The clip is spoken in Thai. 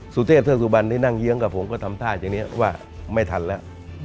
สุเทพเทือกสุบันที่นั่งเยื้องกับผมก็ทำท่าอย่างนี้ว่าไม่ทันแล้ว